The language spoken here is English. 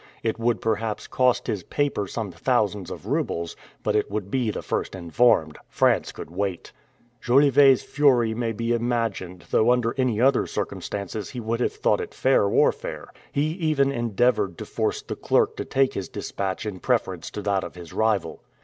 It would perhaps cost his paper some thousands of roubles, but it would be the first informed. France could wait. Jolivet's fury may be imagined, though under any other circumstances he would have thought it fair warfare. He even endeavored to force the clerk to take his dispatch in preference to that of his rival.